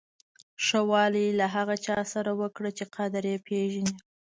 ښه والی له هغه چا سره وکړه چې قدر یې پیژني.